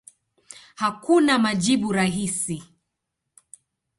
Hakuna majibu rahisi.